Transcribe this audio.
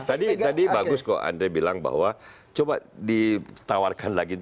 tadi bagus kok andre bilang bahwa coba ditawarkan lagi